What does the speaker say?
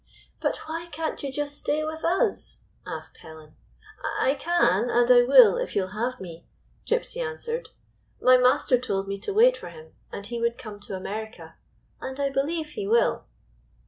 "But why can't you just stay with us?" asked Helen. "I can, and I will, if you 'll have me," Gypsy answered. "My master told me to wait for him, and he would come to America; and I believe he will."